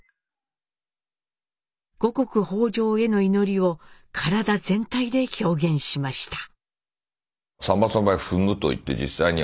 五穀豊穣への祈りを体全体で表現しました。